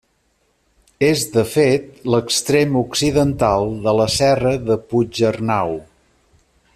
És, de fet, l'extrem occidental de la Serra de Puig-arnau.